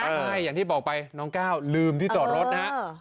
ใช่อย่างที่บอกไปน้องก้าวลืมที่จอดรถนะฮะ